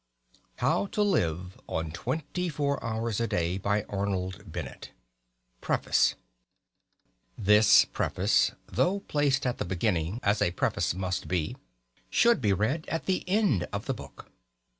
How to Live on Twenty Four Hours a Day by Arnold Bennett PREFACE TO THIS EDITION This preface, though placed at the beginning, as a preface must be, should be read at the end of the book.